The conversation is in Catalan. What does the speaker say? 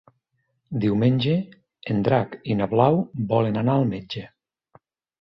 Diumenge en Drac i na Blau volen anar al metge.